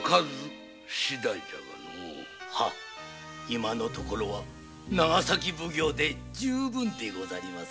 今のところは長崎奉行で十分でございます。